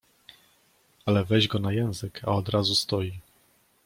Ale weź go na język, a od razu stoi.